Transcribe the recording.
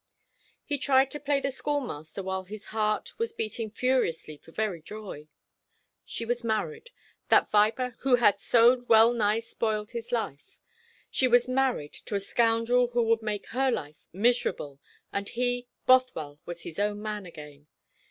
He tried to play the schoolmaster while his heart was beating furiously for very joy. She was married, that viper who had so well nigh spoiled his life; she was married to a scoundrel who would make her life miserable, and he, Bothwell, was his own man again.